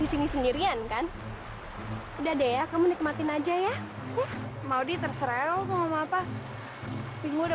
di sini sendirian kan udah deh ya kamu nikmatin aja ya mau di terserah ngomong apa tinggal